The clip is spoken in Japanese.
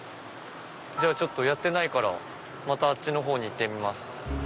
じゃあやってないからまたあっちのほうに行ってみます。